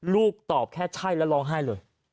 ตอบแค่ใช่แล้วร้องไห้เลย